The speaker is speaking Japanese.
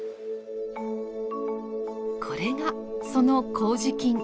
これがその麹菌。